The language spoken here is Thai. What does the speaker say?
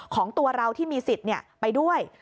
ของตัวเราที่มีสิทธิ์ไปด้วย